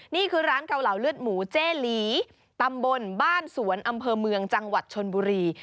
นี่คือร้านเกาเหลาเลือดหมูเจ้หลีตำบลบ้านสวนอำเภอเมืองจังหวัดชนบุรี